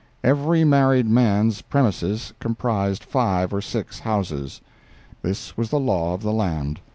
Every married man's premises comprised five or six houses. This was the law of the land.